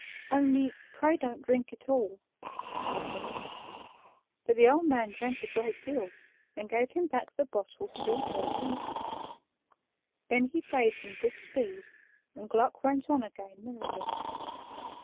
"Only pray don't drink it all," said Gluck. But the old man drank a great deal and gave him back the bottle two thirds empty. Then he bade him good speed, and Gluck went on again merrily.